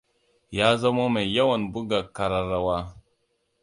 Ya zamo mai yawan buga ƙararrawa.